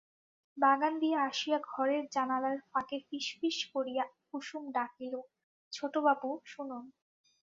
বাগান দিয়া আসিয়া ঘরের জানালার ফাঁকে ফিসফিস করিয়া কুসুম ডাকিল, ছোটবাবু শুনুন।